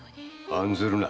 案ずるな。